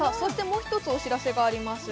もう一つお知らせがあります